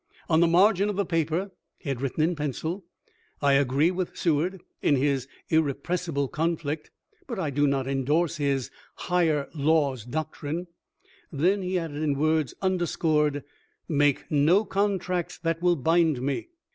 On the margin of the paper he had written in pencil, " I agree with Seward in his ' Irre pressible Conflict,' but I do not endorse his ' Higher Law ' doctrine." Then he added in words under scored, " Make no contracts that will bind me."